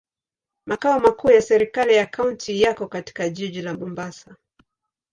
Makao makuu ya serikali ya kaunti yako katika jiji la Mombasa.